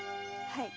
はい。